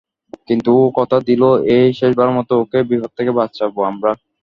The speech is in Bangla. কিন্তু ও কথা দিলো এই শেষবারের মতো ওকে বিপদ থেকে বাঁচাবো আমরা।